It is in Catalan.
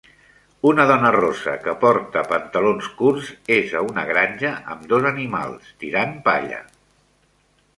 Una dona rossa que porta pantalons curts és a una granja amb dos animals, tirant palla.